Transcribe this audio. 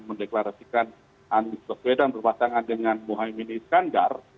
mendeklarasikan anggota kedang berpasangan dengan mohamad minis kandar